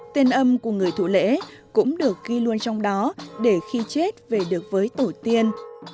tiền âm của người thủ lễ cũng được ghi luôn trong đó để khi chết về được với tổ tiên